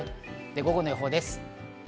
午後の予報です。